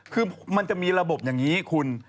คือมันจะมีระบบอย่างนี้คุณ